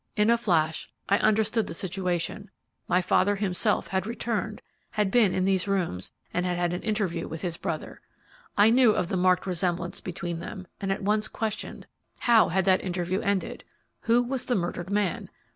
In a flash I understood the situation; my father himself had returned, had been in these rooms, and had had an interview with his brother! I knew of the marked resemblance between them, and at once questioned, How had that interview ended? Who was the murdered man?